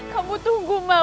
kamu tunggu mama nak